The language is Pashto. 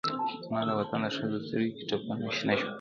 زما دوطن د ښځوسترګوکې ټپونه شنه شوه